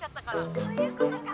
「そういうことか」！